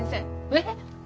えっ？